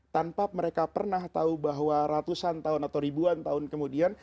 tanpa mereka pernah tahu bahwa ratusan tahun atau ribuan tahun kemudian